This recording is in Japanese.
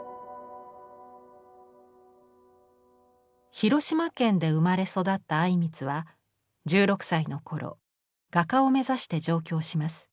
広島県で生まれ育った靉光は１６歳の頃画家を目指して上京します。